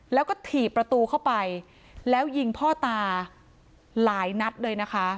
แล้วก็ถีบประตูเข้าไปแล้วยิงพ่อตาหลายนัดเลยนะคะ